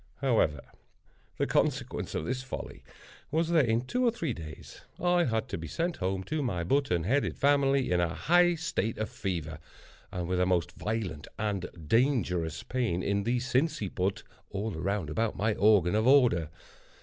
However, the consequence of this folly was, that in two or three days, I had to be sent home to my button headed family in a high state of fever, and with a most violent and dangerous pain in the sinciput, all around about my organ of order.